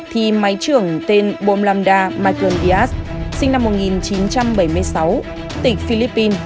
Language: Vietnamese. thì máy trưởng tên bom lambda michael diaz sinh năm một nghìn chín trăm bảy mươi sáu tịch philippines